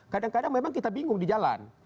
kadang kadang memang kita bingung di jalan